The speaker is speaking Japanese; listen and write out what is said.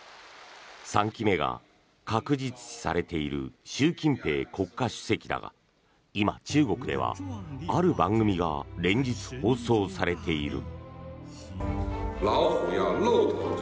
３期目が確実視されている習近平国家主席だが今、中国ではある番組が連日放送されている。